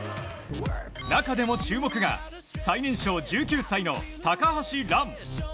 中でも注目が最年少、１９歳の高橋藍。